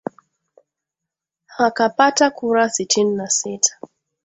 h akapata kura sitini na sita